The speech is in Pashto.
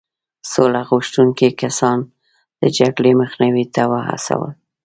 سوله غوښتونکي کسان د جګړې مخنیوي ته وهڅول.